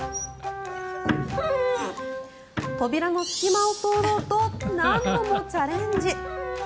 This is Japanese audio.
扉の隙間を通ろうと何度もチャレンジ。